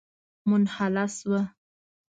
منحله شوه.